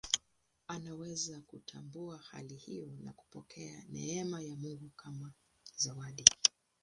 Anaweza kutambua hali hiyo na kupokea neema ya Mungu kama zawadi.